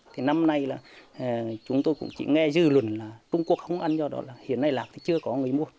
thì năm nay là chúng tôi cũng chỉ nghe dư luận là trung quốc không ăn do đó là hiện nay lạc thì chưa có người mua